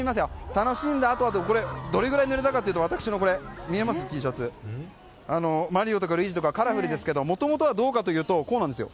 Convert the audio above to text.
楽しんだあとはどれぐらいぬれたかというと私のＴシャツ見えますかマリオとかルイージとかカラフルですけどもともとは、こうなんです。